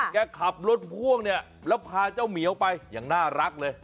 แกขับรถพ่วงเนี่ยแล้วพาเจ้าเหมียวไปอย่างน่ารักเลย